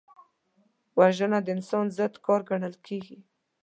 وژنه د انسان ضد کار ګڼل کېږي